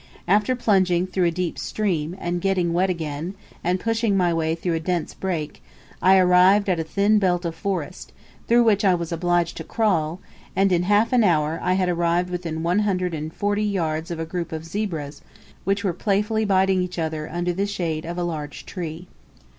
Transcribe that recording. After plunging through a deep stream, and getting wet again, and pushing my way through a dense brake, I arrived at a thin belt of forest, through which I was obliged to crawl, and, in half an hour, I had arrived within one hundred and forty yards of a group of zebras, which were playfully biting each other under the shade of a large tree.